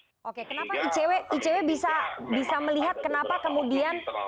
oke kenapa icw bisa melihat kenapa kemudian